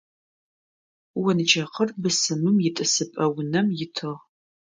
Онджэкъыр бысымым итӏысыпӏэ унэм итыгъ.